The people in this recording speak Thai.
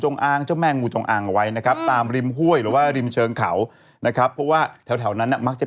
ก็อาจจะไม่ได้แม่นยำก็เลยไปบอกว่า